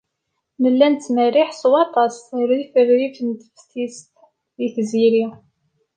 Nella nettmerriḥ s waṭas rrif rrif n teftist i tziri.